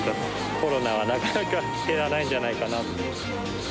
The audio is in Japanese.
コロナはなかなか減らないんじゃないかな。